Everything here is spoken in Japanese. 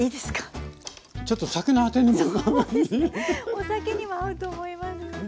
お酒にも合うと思います。